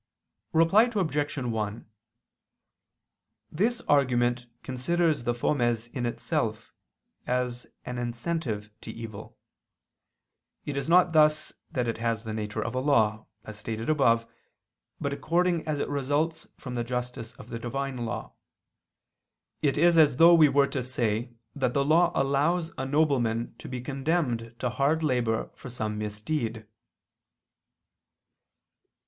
Reply Obj. 1: This argument considers the fomes in itself, as an incentive to evil. It is not thus that it has the nature of a law, as stated above, but according as it results from the justice of the Divine law: it is as though we were to say that the law allows a nobleman to be condemned to hard labor for some misdeed.